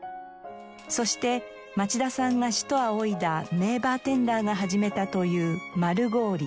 そして町田さんが師と仰いだ名バーテンダーが始めたという丸氷。